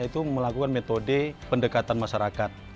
itu melakukan metode pendekatan masyarakat